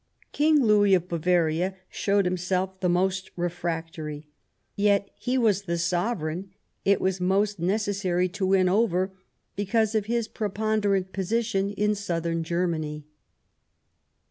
King Louis of Bavaria showed himself the most refractory ; yet he was the sovereign it was most necessary to win over because of his pre ponderant position in Southern Germany.